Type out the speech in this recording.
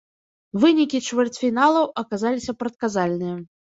Вынікі чвэрцьфіналаў аказаліся прадказальныя.